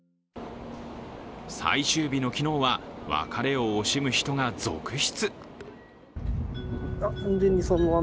最終日の昨日は、別れを惜しむ人が続出。